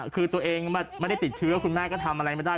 คือตัวเองไม่ได้ติดเชื้อคุณแม่ก็ทำอะไรไม่ได้